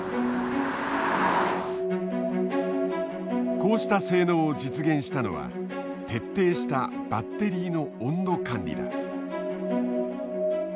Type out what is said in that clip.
こうした性能を実現したのは徹底したバッテリーの温度管理だ。